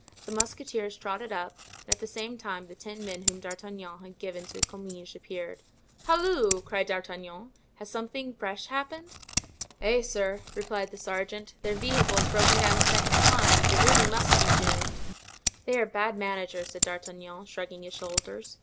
The musketeers trotted up, and at the same time the ten men whom D'Artagnan had given to Comminges appeared. "Halloo!" cried D'Artagnan; "has something fresh happened?" "Eh, sir!" replied the sergeant, "their vehicle has broken down a second time; it really must be doomed." "They are bad managers," said D'Artagnan, shrugging his shoulders.